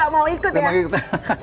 mereka tidak mau ikut ya